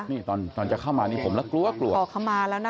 นี่ตอนจะเข้ามาผมดังนี้ต๖๙๐๐๐๐